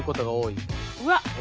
うわっ。